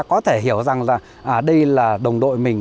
có thể hiểu rằng là đây là đồng đội mình